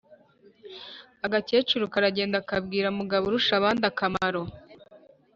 agakecuru karagenda kabwira mugaburushabandakamaro